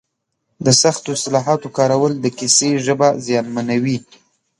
د سختو اصطلاحاتو کارول د کیسې ژبه زیانمنوي.